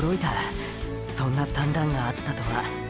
そんな算段があったとは。